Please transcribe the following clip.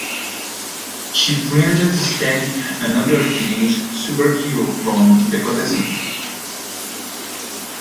She befriended Static, another teenage superhero from Dakota City.